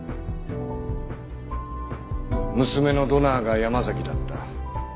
娘のドナーが山崎だった。